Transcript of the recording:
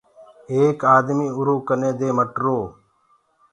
ايڪ آدميٚ اُرو ڪني دي مٽرو۔